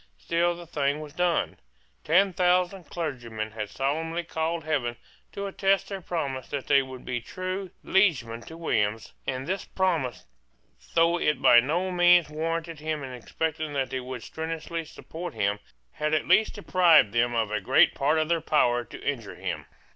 Still the thing was done. Ten thousand clergymen had solemnly called heaven to attest their promise that they would be true liegemen to William; and this promise, though it by no means warranted him in expecting that they would strenuously support him, had at least deprived them of a great part of their power to injure him.